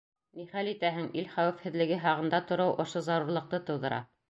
Ни хәл итәһең, ил хәүефһеҙлеге һағында тороу ошо зарурлыҡты тыуҙыра.